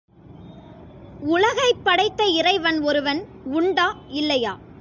உலகைப் படைத்த இறைவன் ஒருவன் உண்டா, இல்லையா?